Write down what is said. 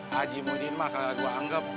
haji muhidin mah kalo gua anggap